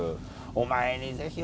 お前にぜひ。